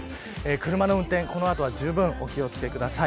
車の運転、この後はじゅうぶんお気を付けください。